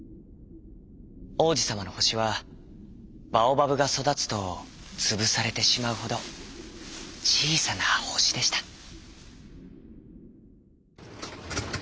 王子さまの星はバオバブがそだつとつぶされてしまうほどちいさな星でした。